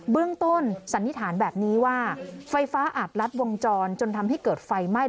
เบื้องต้นสันนิษฐานแบบนี้ว่าไฟฟ้าอาจลัดวงจรจนทำให้เกิดไฟไหม้